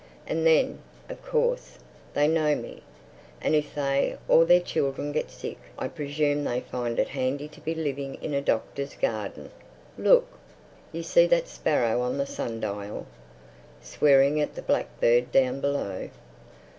And then, of course, they know me. And if they or their children get sick I presume they find it handy to be living in a doctor's garden—Look! You see that sparrow on the sundial, swearing at the blackbird down below?